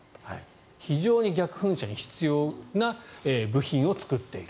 非常に逆噴射に必要な部品を作っている。